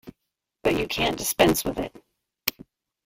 But you can't dispense with it.